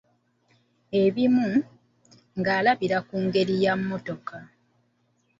Ebimu, ng'alabira ku ngeri ya mmotoka.